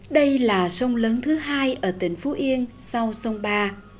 đây là sông lớn thứ hai ở tỉnh phú yên sau sông ba